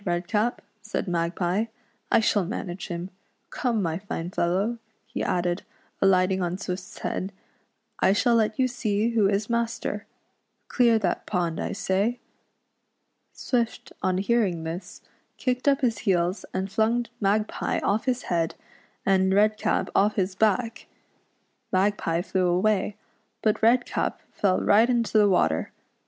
Redcap," said Magpie, " I shall manage him. Come, my fine fellow," he added, alight ing on Swift's head, " I shall let you see who is master! Clear that pond, I say." Swift on hearing this kicked up his heels, and flung Magpie off his head, and Redcap off his back. Mag pie .flew away, but Redcap fell right into the water.